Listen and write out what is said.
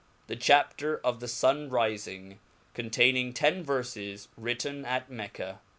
The Chapter of the Sun rifing, contaimng ten Vtrfes^ 'Written at Mecca.